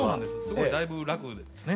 すごいだいぶラクですね。